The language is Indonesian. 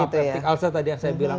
ah peptic ulcer tadi yang saya bilang